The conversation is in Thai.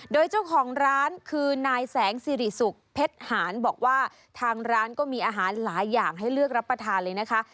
โดยเจ้าของร้านคือนายแสงสิริสุกเพชรหารบอกว่าทางร้านก็มีอาหารหลายอย่างให้เลือกรับประทานเลยนะคะ